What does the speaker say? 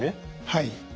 はい。